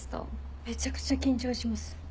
めちゃくちゃ緊張します。だろうね。